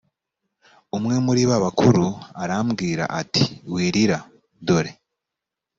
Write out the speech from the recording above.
umwe muri ba bakuru arambwira ati wirira dore